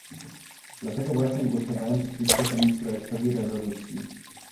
Dlatego właśnie głosowałam przeciwko temu projektowi rezolucji